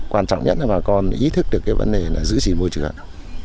quan trọng nhất là bà con ý thức được cái vấn đề giữ chỉ môi trường